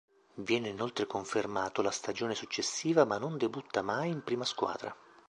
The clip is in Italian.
Viene inoltre confermato la stagione successiva ma non debutta mai in prima squadra.